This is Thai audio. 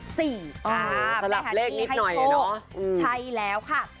สำหรับเลขนิดหน่อยเนอะใช่แล้วค่ะ